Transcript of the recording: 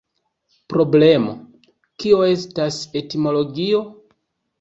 Problemo: kio estas etimologio?